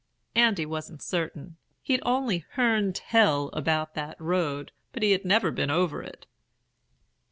"Andy wasn't certain; he'd only 'hearn tell' about that road, but had never been over it.